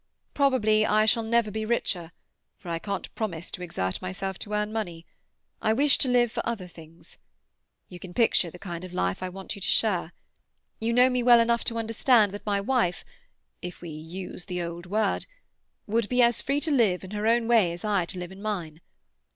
Probably I shall never be richer, for I can't promise to exert myself to earn money; I wish to live for other things. You can picture the kind of life I want you to share. You know me well enough to understand that my wife—if we use the old word—would be as free to live in her own way as I to live in mine.